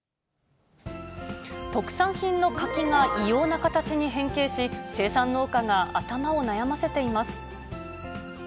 特産品の柿が異様な形に変形し、生産農家が頭を悩ませています。